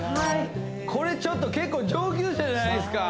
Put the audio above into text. これちょっと結構上級者じゃないですか？